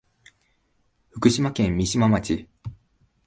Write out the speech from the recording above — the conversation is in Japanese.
福島県三島町